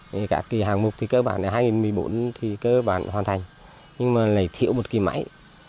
năm hai nghìn một mươi bốn thì cơ bản hoàn thành nhưng mà lại thiếu một cái máy